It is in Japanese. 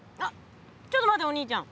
ちょっと待ってお兄ちゃん。